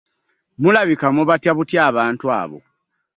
Mulabika mubatya buti abantu abo.